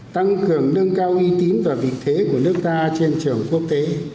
tăng cường nâng cao uy tín và vị thế của nước ta trên trường quốc tế